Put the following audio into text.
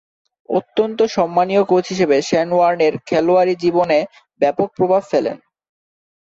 অত্যন্ত সম্মানীয় কোচ হিসেবে শেন ওয়ার্নের খেলোয়াড়ী জীবনে ব্যাপক প্রভাব ফেলেন।